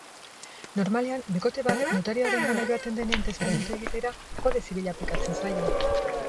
Normalean bikote bat notarioarengana joaten denean testamentua egitera, kode zibila aplikatzen zaie.